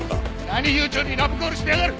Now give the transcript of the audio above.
何悠長にラブコールしてやがる！